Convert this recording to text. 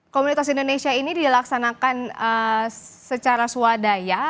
komunitas indonesia ini dilaksanakan secara swadaya